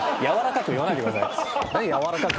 やわらかくはい。